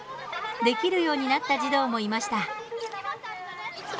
できるようになった児童もいました。